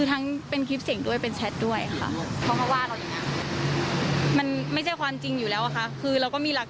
ยังอยู่หรือเปล่าเป็นอะไรเป็นข้อมูลช่างหรือเป็นอะไร